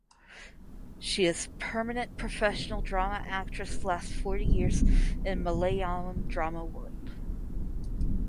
She is permanent professional drama actress last forty years in Malayalam drama world.